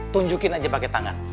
tunjukin aja pake tangan